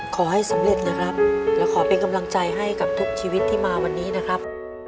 ขอให้สำเร็จนะครับและขอเป็นกำลังใจให้กับทุกชีวิตที่มาวันนี้นะครับ